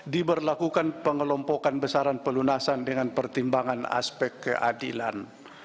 diberlakukan pengelompokan besaran pelunasan dengan pertimbangan aspek keadilan